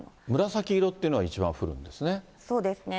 紫色っていうのが一番降るんですね。